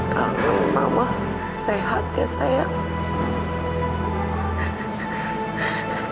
kamu mamah sehat ya sayang